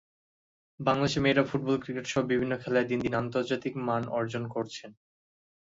বাংলাদেশের মেয়েরা ফুটবল, ক্রিকেটসহ বিভিন্ন খেলায় দিন দিন আন্তর্জাতিক মান অর্জন করছেন।